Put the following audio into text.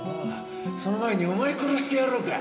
その前にお前殺してやろうか。